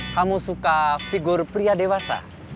kamu suka figur pria dewasa